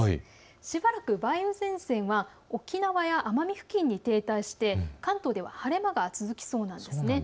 しばらく梅雨前線は沖縄や奄美付近で停滞して関東では晴れ間が続きそうなんです。